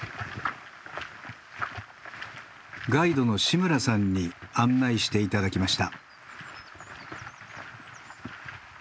ガイドの志村さんに案内して頂きました。